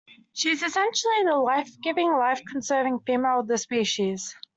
She is essentially the life-giving, life-conserving female of the species.